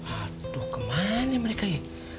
aduh ke mana mereka ya